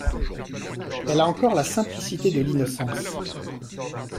Elle a encore la simplicité de l’innocence.